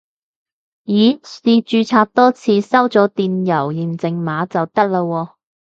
咦試註冊多次收咗電郵驗證碼就得喇喎